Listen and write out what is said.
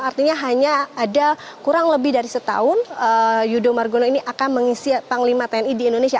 artinya hanya ada kurang lebih dari setahun yudho margono ini akan mengisi panglima tni di indonesia